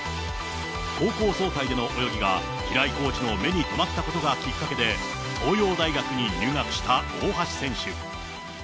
高校総体での泳ぎが平井コーチの目に留まったことがきっかけで、東洋大学に入学した大橋選手。